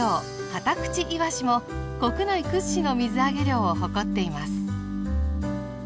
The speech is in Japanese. カタクチイワシも国内屈指の水揚げ量を誇っています。